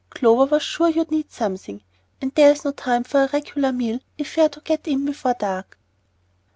Clover was sure you'd need something, and there's no time for a regular meal if we are to get in before dark."